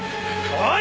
おい！